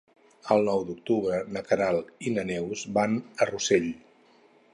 El nou d'octubre na Queralt i na Neus van a Rossell.